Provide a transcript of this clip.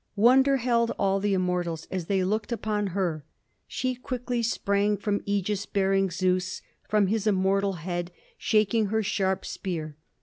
Wonder held all the immortals as they looked upon her. She quickly sprang before ægis bearing Zeus from his immortal head shaking her sharp spear.